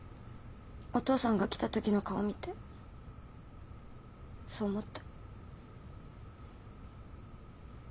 お父さんが来たときの顔見てそう思った。